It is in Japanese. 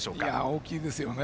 大きいですよね。